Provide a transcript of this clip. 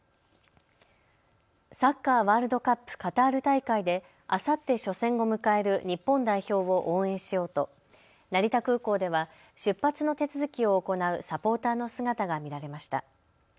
サッカーワールドカップカタール大会であさって初戦を迎える日本代表を応援しようと成田空港では出発の手続きを行うサポーターの姿が見られました。